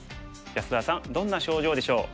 安田さんどんな症状でしょう？